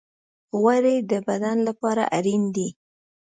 غوړې د بدن لپاره اړین دي.